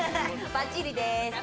バッチリです。